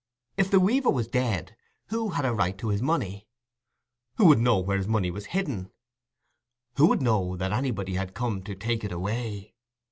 If the weaver was dead, who had a right to his money? Who would know where his money was hidden? _Who would know that anybody had come to take it away?